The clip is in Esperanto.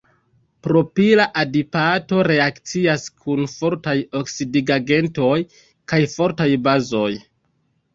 Propila adipato reakcias kun fortaj oksidigagentoj kaj fortaj bazoj.